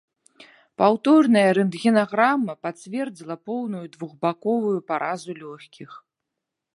Паўторная рэнтгенаграма пацвердзіла поўную двухбаковую паразу лёгкіх.